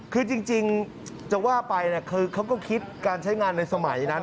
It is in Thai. คือจริงจะว่าไปคือเขาก็คิดการใช้งานในสมัยนั้น